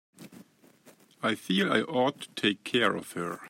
I feel I ought to take care of her.